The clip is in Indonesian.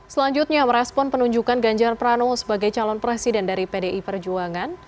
selanjutnya merespon penunjukan ganjar pranowo sebagai calon presiden dari pdi perjuangan